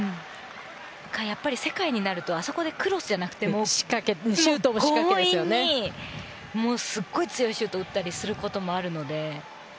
世界になるとあそこでクロスじゃなくて強引に、すごい強いシュートを打ったりすることもあるので。